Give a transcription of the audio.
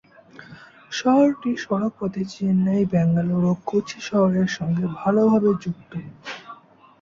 শহরটি সড়ক পথে চেন্নাই, ব্যাঙ্গালোর ও কোচি শহরের সঙ্গে ভালো ভাবে যুক্ত।